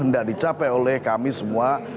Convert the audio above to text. mencapai oleh kami semua